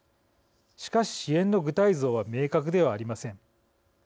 しかし、支援の具体像は明確ではありません。